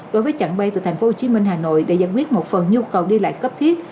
đối với chặng bay từ tp hcm hà nội để giải quyết một phần nhu cầu đi lại cấp thiết